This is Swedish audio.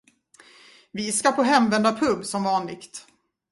Vi ska på hemvändarpub, som vanligt.